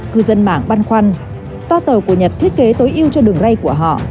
cư dân mảng băn khoăn toa tàu của nhật thiết kế tối yêu cho đường ray của họ